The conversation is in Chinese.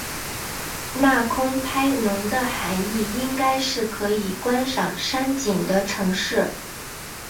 那空拍侬的涵义应该是可以观赏山景的城市。